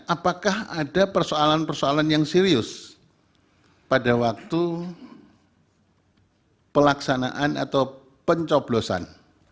apakah ada persoalan persoalan yang serius pada waktu pelaksanaan atau pencoblosan